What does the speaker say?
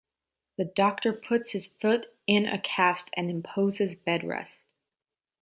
The doctor puts his foot in a cast and imposes bed rest.